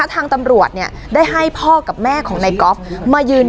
แล้วก็ไปซ่อนไว้ในโครงเหล็กในคานหลังคาของโรงรถอีกทีนึง